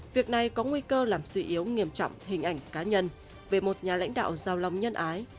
việc này có nguy cơ làm suy yếu nghiêm trọng hình ảnh cá nhân về một nhà lãnh đạo giàu lòng nhân ái